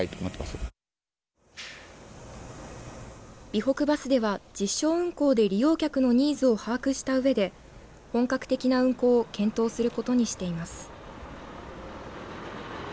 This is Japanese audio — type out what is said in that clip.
備北バスでは実証運行で利用客のニーズを把握したうえで本格的な運行を検討することにしています。